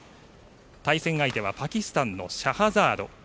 対戦相手はパキスタンのシャハザード。